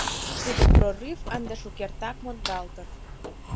Тудо прорыв ынде шукертак мондалтын.